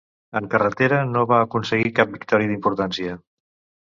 En carretera no va aconseguir cap victòria d'importància.